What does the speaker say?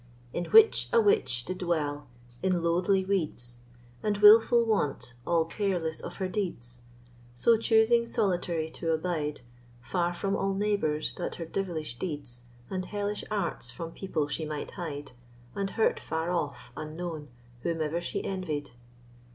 In which a witch did dwell, in loathly weeds, And wilful want, all careless of her deeds; So choosing solitary to abide, Far from all neighbours, that her devilish deeds And hellish arts from people she might hide, And hurt far off, unknown, whome'er she envied.